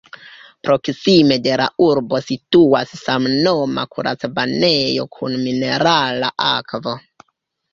Proksime de la urbo situas samnoma kurac-banejo kun minerala akvo.